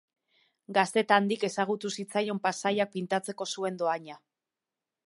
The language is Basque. Gaztetandik ezagutu zitzaion paisaiak pintatzeko zuen dohaina.